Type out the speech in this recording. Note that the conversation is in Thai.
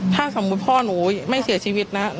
ถ้าสมมุติพ่อหนูไม่เสียชีวิตนะ